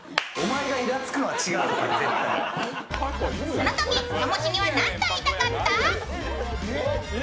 そのとき、ともしげは何と言いたかった？